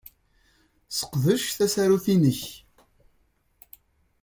Sseqdec tasarut-nnek.